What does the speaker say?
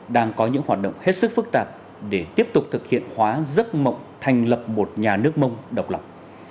đang có những hoạt động hết sức phức tạp để tiếp tục thực hiện hóa giấc mộng thành lập một nhà nước mông độc lập